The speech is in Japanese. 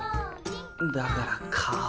だから顔